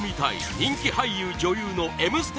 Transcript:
人気俳優・女優の「Ｍステ」